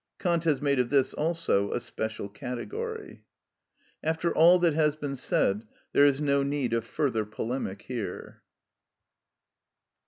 Kant has made of this also a special category. After all that has been said there is no need of further polemic here.